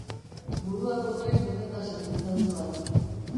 Burua kotoiz beteta sentitzen zuen.